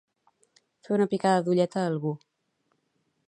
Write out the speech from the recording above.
Fer una picada d'ullet a algú